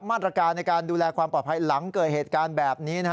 มาตรการในการดูแลความปลอดภัยหลังเกิดเหตุการณ์แบบนี้